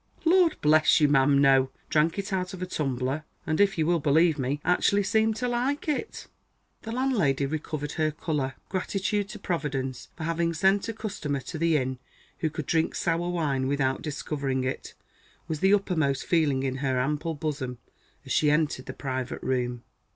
"Lord bless you, ma'am, no! Drank it out of a tumbler, and if you will believe me actually seemed to like it." The landlady recovered her colour. Gratitude to Providence for having sent a customer to the inn, who could drink sour wine without discovering it, was the uppermost feeling in her ample bosom as she entered the private room.